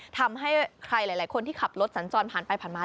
ทำให้ใครหลายคนที่ขับรถสัญจรผ่านไปผ่านมา